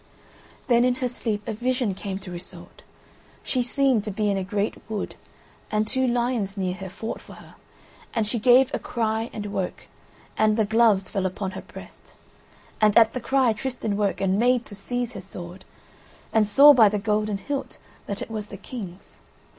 Then in her sleep a vision came to Iseult. She seemed to be in a great wood and two lions near her fought for her, and she gave a cry and woke, and the gloves fell upon her breast; and at the cry Tristan woke, and made to seize his sword, and saw by the golden hilt that it was the King's.